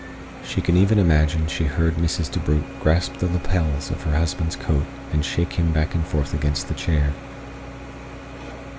She could even imagine she heard Mrs. DeBrugh grasp the lapels of her husband's coat and shake him back and forth against the chair.